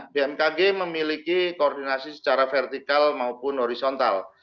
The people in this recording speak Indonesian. bmkg memiliki koordinasi secara vertikal maupun horizontal